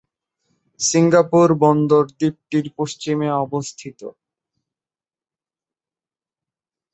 Singapore বন্দর দ্বীপটির পশ্চিমে অবস্থিত।